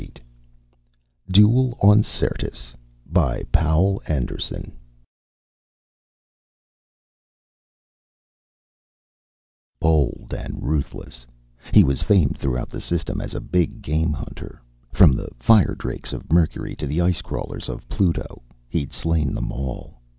_] duel on SYRTIS by POUL ANDERSON Bold and ruthless, he was famed throughout the System as a big game hunter. From the firedrakes of Mercury to the ice crawlers of Pluto, he'd slain them all.